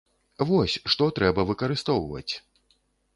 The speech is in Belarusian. Вось, што трэба выкарыстоўваць!